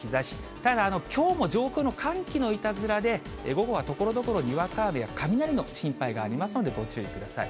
ただ、きょうも上空の寒気のいたずらで、午後はところどころ、にわか雨や雷の心配がありますので、ご注意ください。